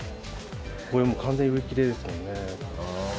これもう完全に売り切れですもんね。